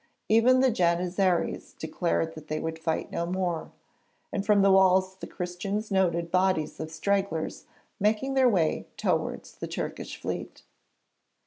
Even the Janizaries declared they would fight no more, and from the walls the Christians noted bodies of stragglers making their way towards the Turkish fleet.